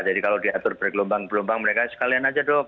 jadi kalau diatur bergelombang gelombang mereka sekalian aja dok